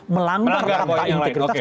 melanggar rakyat integritas